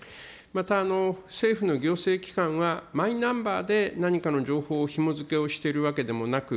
また、政府の行政機関は、マイナンバーで何かの情報をひも付けをしてるわけでもなく、